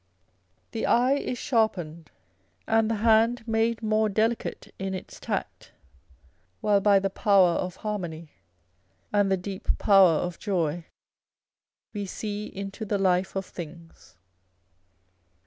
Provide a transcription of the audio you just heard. The eye is sharpened and the hand made more delicate in its tact, While by the power Of harmony, and the deep power of joy, We see into the life of things.